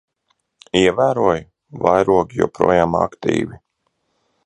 Ievēroji? Vairogi joprojām aktīvi.